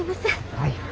はい。